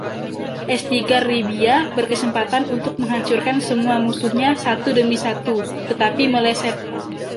Estigarribia berkesempatan untuk menghancurkan semua musuhnya satu demi satu, tetapi meleset.